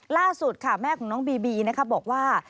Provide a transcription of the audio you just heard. ล่าสุดค่ะแม่ของน้องบีบีนะคะบอกว่า